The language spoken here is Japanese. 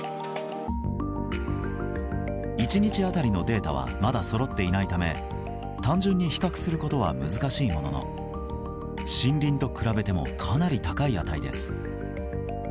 １日当たりのデータはまだそろっていないため単純に比較することは難しいものの森林と比べてもかなり高い値です。